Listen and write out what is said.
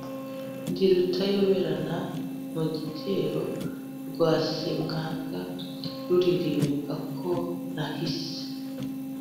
Ndi Rutayoberana mu gitero rwa Semwaga, rulirimbwa ko nahize